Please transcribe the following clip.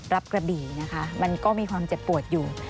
กระบี่นะคะมันก็มีความเจ็บปวดอยู่